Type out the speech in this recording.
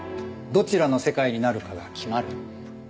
どちらの世界になるかが決まる。